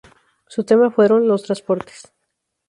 Su tema fueron "Los transportes".